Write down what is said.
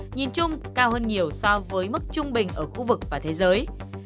nhìn chung cao hơn nhiều so với mức trung bình ở khu vực và thế giới